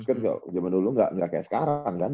jadi kayak zaman dulu enggak kayak sekarang kan